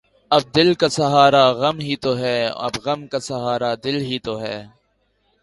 اب دل کا سہارا غم ہی تو ہے اب غم کا سہارا دل ہی تو ہے